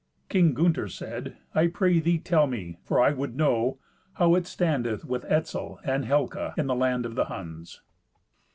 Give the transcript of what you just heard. King Gunther said, "I pray thee tell me, for I would know, how it standeth with Etzel and Helca in the land of the Huns."